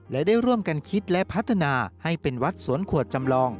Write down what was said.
และได้ร่วมกันคิดและพัฒนาให้เป็นวัดสวนขวดจำลอง